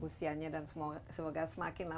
ustianya dan semoga semakin lama semakin jaya